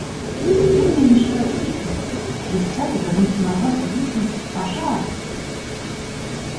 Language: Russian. Кто мне мешает крикнуть, — привстать, обернуться назад и крикнуть: — Пожар!